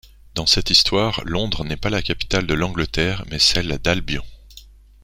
Dans cette histoire, Londres n'est pas la capitale de l'Angleterre, mais celle d'Albion.